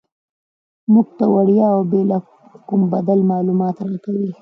موږ ته وړیا او بې له کوم بدل معلومات راکوي.